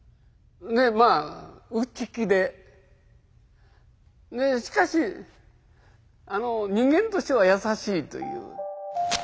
でまあ内気ででしかし人間としてはやさしいという。